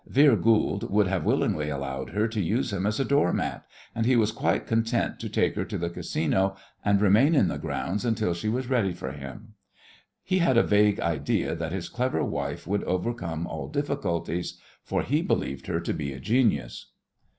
Vere Goold would have willingly allowed her to use him as a door mat, and he was quite content to take her to the Casino and remain in the grounds until she was ready for him. He had a vague idea that his clever wife would overcome all difficulties, for he believed her to be a genius.